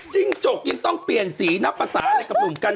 จริงจกยังต้องเปลี่ยนสีนับภาษาอะไรกับภูมิกัน